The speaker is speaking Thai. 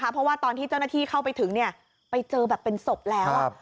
เพราะว่าตอนที่เจ้าหน้าที่เข้าไปถึงไปเจอแบบเป็นศพแล้ว